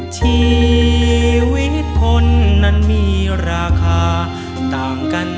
ชีวิตคนนั้นมีราคาต่างกัน